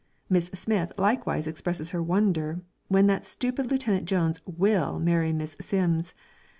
Miss Smith likewise expresses her wonder when that stupid Lieutenant Jones will marry Miss Simms.